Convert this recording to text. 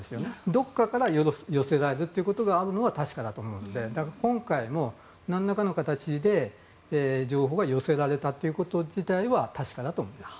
どこかから寄せられるということがあるのは確かだと思うので今回も何らかの形で情報が寄せられたということ自体は確かだと思います。